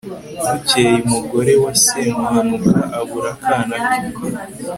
bukeye umugore wa semuhanuka abura akana ke